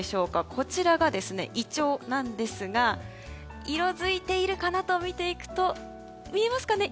こちらが、イチョウなんですが色づいているかなと見ていくと見えますかね。